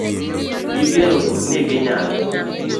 Gi geno ni ginyalo